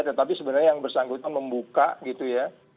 tetapi sebenarnya yang bersangkutan membuka gitu ya